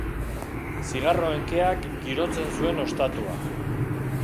Zigarroen keak girotzen zuen ostatua.